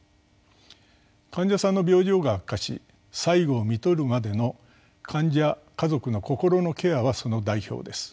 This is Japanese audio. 患者さんの病状が悪化し最期を看取るまでの患者家族の心のケアはその代表です。